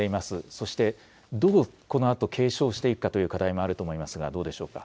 そしてどうこのあと継承していくかという課題もあると思いますがどうでしょうか。